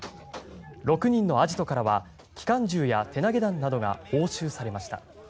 ６人のアジトからは機関銃や手投げ弾などが押収されました。